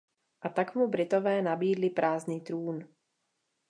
A tak mu britové nabídli prázdný trůn.